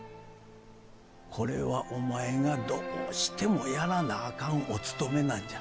これはお前がどうしてもやらなあかんおつとめなんじゃ。